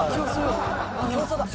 競争だ。